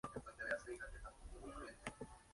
En la actualidad lo es Carlos León Revuelta.